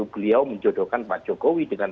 beliau menjodohkan pak jokowi dengan